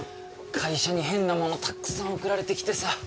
会社に変なものたっくさん送られて来てさ。